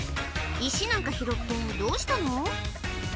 石なんか拾ってどうしたの？